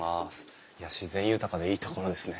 いや自然豊かでいい所ですね。